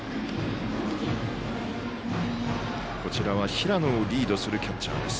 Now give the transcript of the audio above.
平野をリードするキャッチャーです。